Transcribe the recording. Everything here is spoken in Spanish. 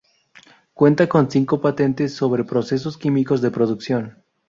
Cuenta con cinco patentes sobre procesos químicos de producción.